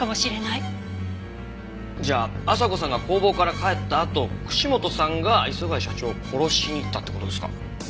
じゃあ朝子さんが工房から帰ったあと串本さんが磯貝社長を殺しに行ったって事ですか？